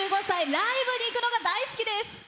ライブに行くのが大好きです。